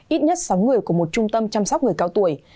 ít nhất sáu người của một trung tâm chăm sóc người cao tuổi